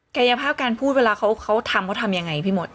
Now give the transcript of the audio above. กายภาพการพูดเวลาเขาทำเขาทำยังไงพี่มด